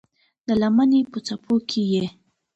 د لمنې په څپو کې یې